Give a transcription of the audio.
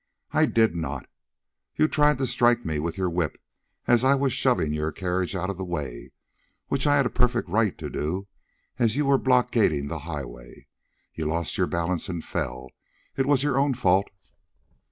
"I did not! You tried to strike me with your whip, as I was shoving your carriage out of the way, which I had a perfect right to do, as you were blockading the highway. You lost your balance and fell. It was your own fault."